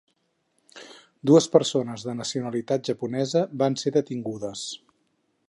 Dues persones de nacionalitat japonesa van ser detingudes.